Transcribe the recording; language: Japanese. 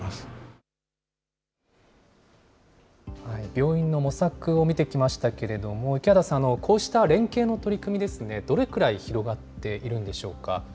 病院の模索を見てきましたけれども、池端さん、こうした連携の取り組み、どれくらい広がっているんでしょうか。